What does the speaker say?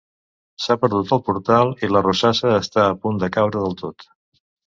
S'ha perdut el portal i la rosassa està a punt de caure del tot.